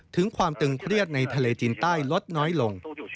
ถึงความตึงเครียดในทะเลจีนใต้ลดน้อยลง